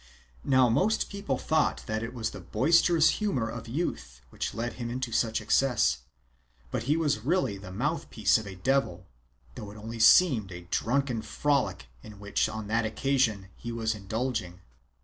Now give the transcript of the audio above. Now most people thought that it was the boisterous humour of youth which led him into such excesses; but he was really the mouth piece of a devil, though it only seemed a drunken frolic in which on that occasion he was indulging.